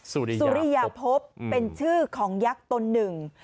สุริสุริยาพบเป็นชื่อของยักษ์ตนหนึ่ง